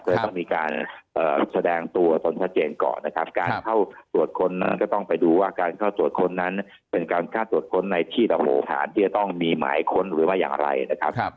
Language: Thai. ก็เลยต้องมีการแสดงตัวตนชัดเจนก่อนนะครับการเข้าตรวจค้นนั้นก็ต้องไปดูว่าการเข้าตรวจค้นนั้นเป็นการเข้าตรวจค้นในที่ดำรงฐานที่จะต้องมีหมายค้นหรือว่าอย่างไรนะครับ